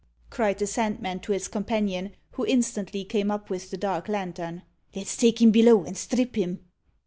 cried the Sandman to his companion, who instantly came up with the dark lantern; "let's take him below, and strip him."